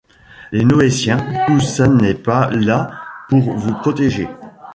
les Noétiens Tout ça n'est pas là pour vous protéger.